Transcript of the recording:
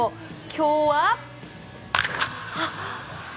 今日は。